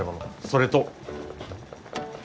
それと。